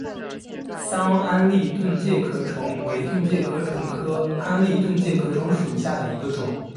桑安蛎盾介壳虫为盾介壳虫科安蛎盾介壳虫属下的一个种。